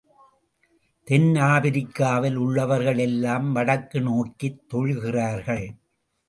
தென் ஆப்பிரிக்காவில் உள்ளவர்கள் எல்லாம் வடக்கு நோக்கித் தொழுகிறார்கள்.